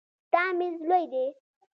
ستا میز لوی دی.